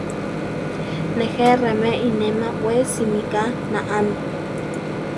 Nejé remé inéma, we simíka naámi.